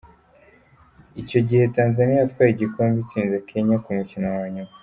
Icyo gihe, Tanzania yatwaye igikombe itsinze Kenya ku mukino wa nyuma.